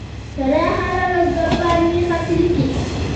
ثنا هره ورځ دوې پاڼي خط ليکي.